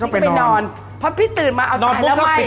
ผมนอนเพราะพี่ตื่นมาเอาสายไล้